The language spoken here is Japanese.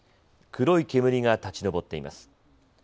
黒い煙が立ち上っています。